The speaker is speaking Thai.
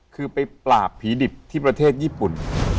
คือไปปราบผีดิบที่ประเทศญี่ปุ่น